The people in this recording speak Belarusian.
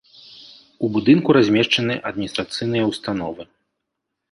У будынку размешчаны адміністрацыйныя ўстановы.